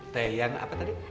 teh yang apa tadi